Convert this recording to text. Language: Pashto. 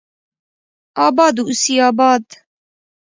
اباد اوسي اباد